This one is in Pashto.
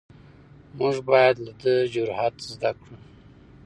موږ باید له ده جرئت زده کړو.